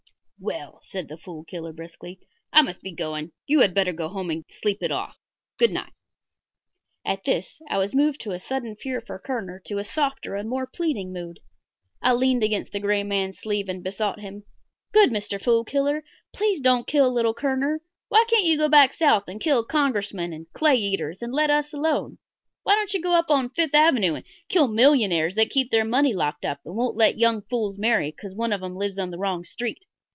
"Well," said the Fool Killer, briskly, "I must be going. You had better go home and sleep it off. Good night." At this I was moved by a sudden fear for Kerner to a softer and more pleading mood. I leaned against the gray man's sleeve and besought him: "Good Mr. Fool Killer, please don't kill little Kerner. Why can't you go back South and kill Congressmen and clay eaters and let us alone? Why don't you go up on Fifth Avenue and kill millionaires that keep their money locked up and won't let young fools marry because one of 'em lives on the wrong street?